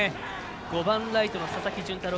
５番ライトの佐々木純太郎。